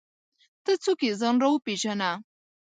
ته څوک یې ځان راوپېژنه!